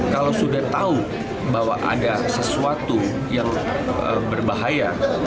kalau sudah tahu bahwa ada sesuatu yang berbahaya